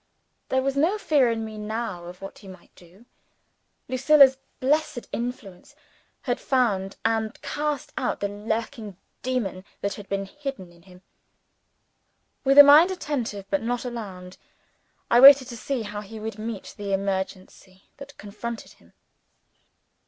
There was no fear in me now of what he might do. Lucilla's blessed influence had found, and cast out, the lurking demon that had been hidden in him. With a mind attentive but not alarmed, I waited to see how he would meet the emergency that confronted him.